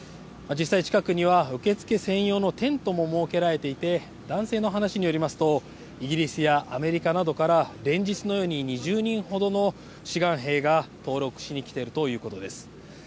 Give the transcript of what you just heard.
実際近くには受付専用のテントも設けられていて男性の話によりますとイギリスやアメリカなどから連日のように２０人ほどの志願兵が登録しに来ているということです。